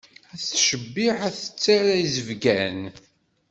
Ad tettcebbiḥ ad tettarra izebgan.